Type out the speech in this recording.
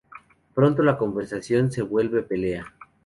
Pronto la conversación se vuelve pelea.